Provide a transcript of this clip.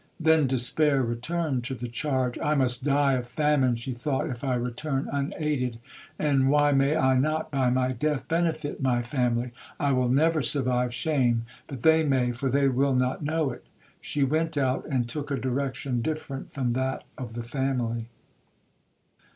Then despair returned to the charge. 'I must die of famine,' she thought, 'if I return unaided,—and why may I not by my death benefit my family! I will never survive shame, but they may,—for they will not know it!'—She went out, and took a direction different from that of the family.